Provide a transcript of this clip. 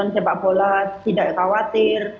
sepak bola tidak khawatir